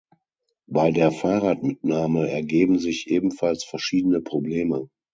Bei der Fahrradmitnahme ergeben sich ebenfalls verschiedene Probleme.